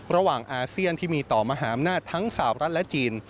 อาเซียนที่มีต่อมหาอำนาจทั้งสาวรัฐและจีน